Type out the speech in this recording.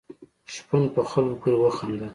شپون په خلکو پورې وخندل.